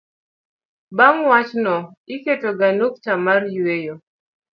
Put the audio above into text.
bang' wach no, iketo ga nukta mar yueyo